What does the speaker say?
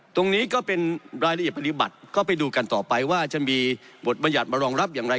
ตรงนี้ก็เป็นรายละเอียดปฏิบัติก็ไปดูกันต่อไปว่าจะมีบทบัญญัติมารองรับอย่างไร